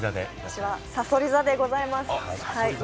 私は、さそり座でございます。